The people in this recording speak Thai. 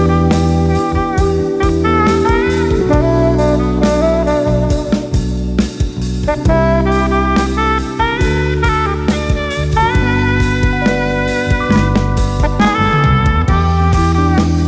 ไอ้กะตายเมื่อกี้